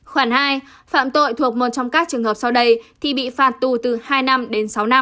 khoản hai phạm tội thuộc một trong các trường hợp sau đây thì bị phạt tù từ hai năm đến sáu năm